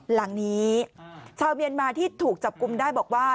หลังนี้ชาวเมียนมาที่ถูกจับกลุ่มได้บอกว่า